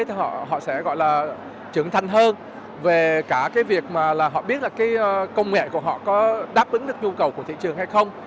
thì họ sẽ trưởng thành hơn về cả việc họ biết công nghệ của họ có đáp ứng được nhu cầu của thị trường hay không